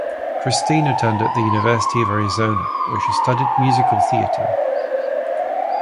Christine attended the University of Arizona where she studied musical theater.